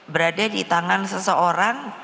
berada di tangan seseorang